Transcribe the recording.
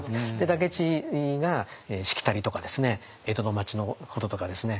武市がしきたりとかですね江戸の町のこととかですね